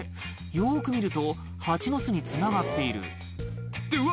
よく見るとハチの巣につながっているってうわ！